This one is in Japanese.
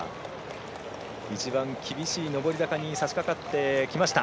一番厳しい上り坂にさしかかってきました。